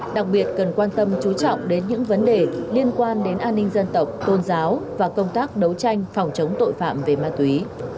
đặc biệt cần quan tâm chú trọng đến những vấn đề liên quan đến an ninh dân tộc tôn giáo và công tác đấu tranh phòng chống tội phạm về ma túy